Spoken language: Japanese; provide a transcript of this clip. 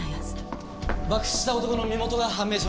爆死した男の身元が判明しました。